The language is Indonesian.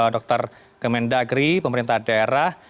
dr gemendagri pemerintah daerah